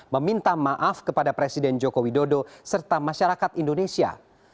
meminta maaf kepada presiden joko widodo serta masyarakat indonesia